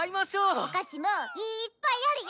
お菓子もいっぱいあるよ！